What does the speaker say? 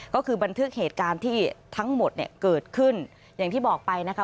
ก็คือบันทึกเหตุการณ์ที่ทั้งหมดเนี่ยเกิดขึ้นอย่างที่บอกไปนะคะ